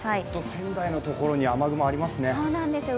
仙台の所に雨雲がありますね。